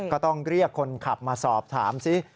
ก็ต้องเรียกคนขับมาสอบถามซิ